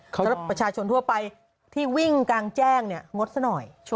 สำหรับประชาชนทั่วไปที่วิ่งกางแจ้งงดสักหน่อย